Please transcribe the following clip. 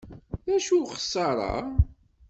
D acu-t uxeṣṣaṛ-a?